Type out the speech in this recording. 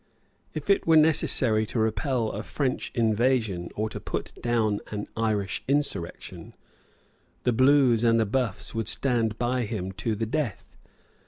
If it were necessary to repel a French invasion or to put down an Irish insurrection, the Blues and the Buffs would stand by him to the death.